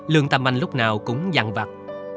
lương tâm anh lúc nào cũng dằn vặt